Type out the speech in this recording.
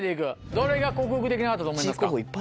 どれが克服できなかったと思いますか？